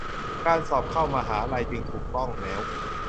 การสอบเข้ามหาลัยจึงถูกต้องแล้ว